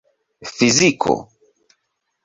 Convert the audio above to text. fiziko